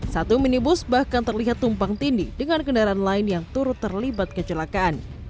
satu minibus bahkan terlihat tumpang tindih dengan kendaraan lain yang turut terlibat kecelakaan